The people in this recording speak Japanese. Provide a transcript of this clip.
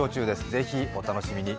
是非、お楽しみに。